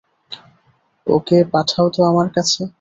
ওকে পাঠাও তো আমার কাছে।